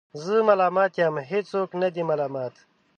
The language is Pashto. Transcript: زه ملامت یم ، هیڅوک نه دی ملامت